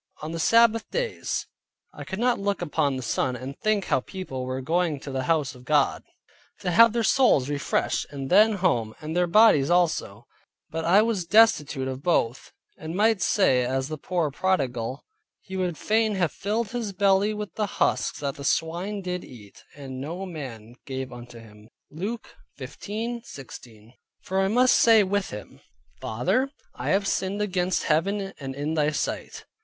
On the Sabbath days, I could look upon the sun and think how people were going to the house of God, to have their souls refreshed; and then home, and their bodies also; but I was destitute of both; and might say as the poor prodigal, "He would fain have filled his belly with the husks that the swine did eat, and no man gave unto him" (Luke 15.16). For I must say with him, "Father, I have sinned against Heaven and in thy sight."